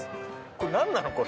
これ何なの？